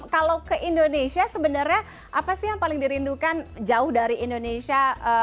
kalau ke indonesia sebenarnya apa sih yang paling dirindukan jauh dari indonesia